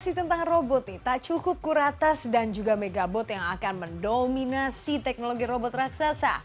informasi tentang robot nih tak cukup kuratas dan juga megabot yang akan mendominasi teknologi robot raksasa